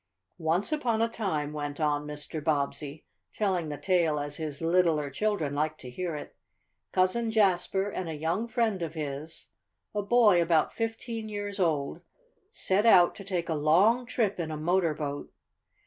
"Once upon a time," went on Mr. Bobbsey, telling the tale as his littler children liked to hear it, "Cousin Jasper and a young friend of his, a boy about fifteen years old, set out to take a long trip in a motor boat.